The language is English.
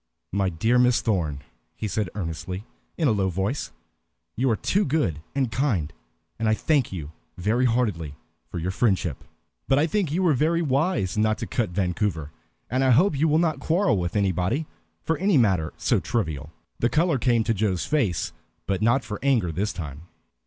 "My dear Miss Thorn," he said earnestly, in a low voice, "you are too good and kind, and I thank you very heartily for your friendship. But I think you were very wise not to cut Vancouver, and I hope you will not quarrel with anybody for any matter so trivial." The color came to Joe's face, but not for anger this time.